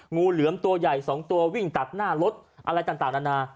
งูเหลือมตัวใหญ่๒ตัววิ่งตัดหน้ารถอะไรต่างนานา